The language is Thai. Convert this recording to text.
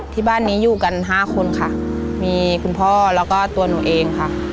ที่บ้านนี้อยู่กันห้าคนค่ะมีคุณพ่อแล้วก็ตัวหนูเองค่ะ